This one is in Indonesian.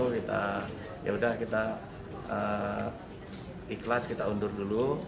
kita ya udah kita ikhlas kita undur dulu